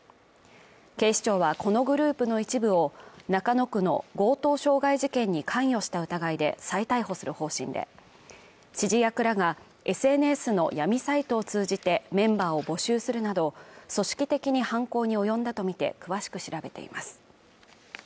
警視庁はこのグループの一部を中野区の強盗傷害事件に関与した疑いで再逮捕する方針で指示役らがＳＮＳの闇サイトを通じてメンバーを募集するなど組織的に犯行に及んだとみて詳しく調べています